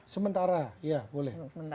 sementara ya boleh